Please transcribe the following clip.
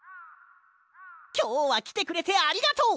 きょうはきてくれてありがとう！